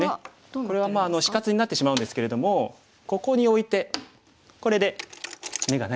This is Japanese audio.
これは死活になってしまうんですけれどもここにオイてこれで眼がないんですよね。